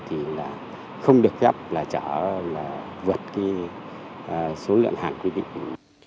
thì là không được phép là chở là vượt cái số lượng hạng quy định của chúng tôi